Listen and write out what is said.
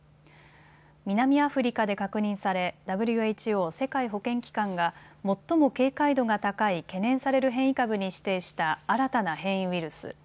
南アフリカで確認されＷＨＯ・世界保健機関が最も警戒度が高い懸念される変異株に指定した新たな変異ウイルス。